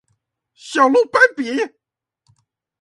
小鹿斑比